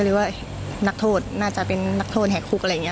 หรือว่านักโทษน่าจะเป็นนักโทษแหกคุกอะไรอย่างนี้